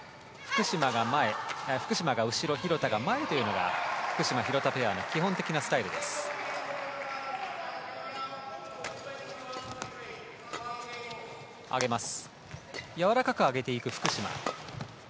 福島が後ろ、廣田が前というのが福島、廣田ペアの基本的なスタイルです。